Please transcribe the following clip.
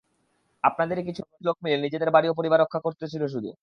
আপনাদেরই কিছু লোক মিলে নিজেদের বাড়ি ও পরিবার রক্ষা করতেছিলো শুধু।